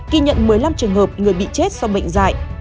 ghi nhận một mươi năm trường hợp người bị chết do bệnh dạy